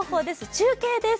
中継です。